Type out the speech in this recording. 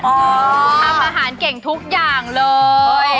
ทำอาหารเก่งทุกอย่างเลย